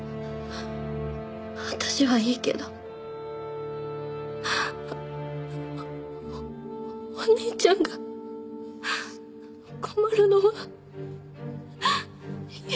私はいいけどお兄ちゃんが困るのは嫌だ！